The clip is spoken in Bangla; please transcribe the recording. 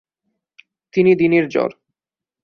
তিনি দিনের জ্বর।